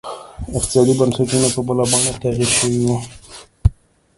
اقتصادي بنسټونه په بله بڼه تغیر شوي وو.